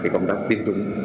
công tác tiêm chủng